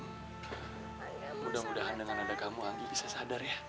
mudah mudahan dengan ada kamu anggi bisa sadar ya